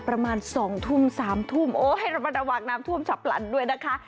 ประมาณ๒ทุ่ม๓ทุ่มโอ้ให้ระมัดระวังน้ำท่วมฉับพลันด้วยนะคะ